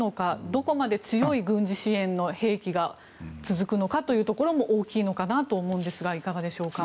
どこまで強い軍事支援の兵器が続くのかというところも大きいのかと思いますがいかがでしょうか？